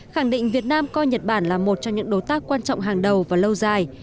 khẳng định việt nam coi nhật bản là một trong những đối tác quan trọng hàng đầu và lâu dài